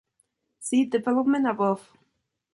See Development above.